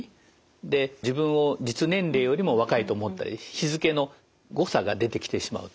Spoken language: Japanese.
で自分を実年齢よりも若いと思ったり日付の誤差が出てきてしまうと。